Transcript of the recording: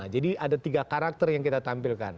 jadi ada tiga karakter yang kita tampilkan